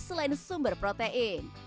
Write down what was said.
selain sumber protein